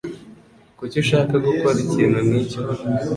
Kuki ushaka gukora ikintu nkicyo?